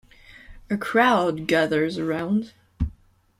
A crowd gathers around.